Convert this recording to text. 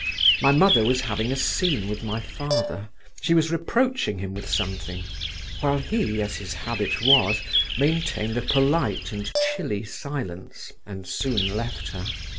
My mother was having a scene with my father; she was reproaching him with something, while he, as his habit was, maintained a polite and chilly silence, and soon left her.